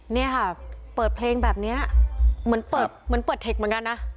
นี่ค่ะเปิดเพลงแบบนี้เหมือนเปิดเทคเหมือนกันนะ